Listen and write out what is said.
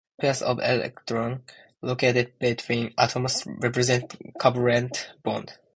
Pairs of electrons located between atoms represent covalent bonds.